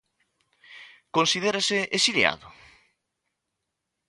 Considérase exiliado?